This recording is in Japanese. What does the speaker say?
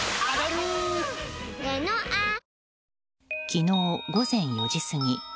昨日午前４時過ぎ。